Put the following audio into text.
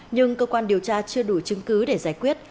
nhưng cơ quan điều tra chưa đủ chứng cứ để giải quyết